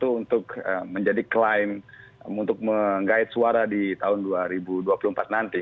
tunggangan pihak pihak tertentu untuk menjadi klaim untuk mengait suara di tahun dua ribu dua puluh empat nanti